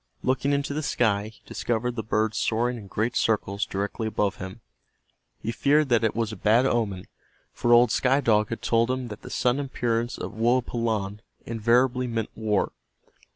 Looking into the sky he discovered the bird soaring in great circles directly above him. He feared that it was a bad omen, for old Sky Dog had told him that the sudden appearance of Woapalanne invariably meant war.